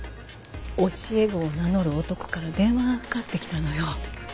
教え子を名乗る男から電話が掛かってきたのよ。